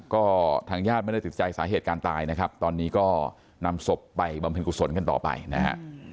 ก็ทางญาติไม่ได้ติดใจสาเหตุการตายนะครับตอนนี้ก็นำศพไปบำเพ็ญกุศลกันต่อไปนะฮะ